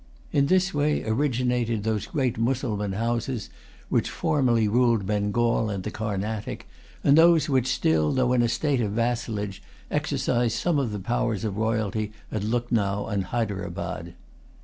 In this way originated those great Mussulman houses which formerly ruled Bengal and the Carnatic, and those which still, though in a state of vassalage, exercise some of the powers of royalty at Lucknow and Hyderabad.